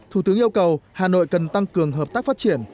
thủ tướng yêu cầu hà nội cần tăng cường hợp tác phát triển